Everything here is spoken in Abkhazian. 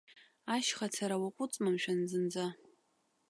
Ашьха ацара уаҟәыҵма, мшәан, зынӡа?